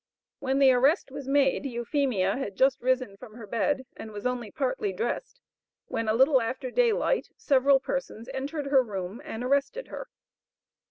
When the arrest was made, Euphemia had just risen from her bed, and was only partly dressed, when a little after daylight, several persons entered her room, and arrested her.